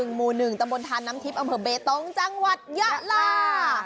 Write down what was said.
หมู่๑ตมธานน้ำทิพย์อำเผิดเบตรตรงจังหวัดยะล่า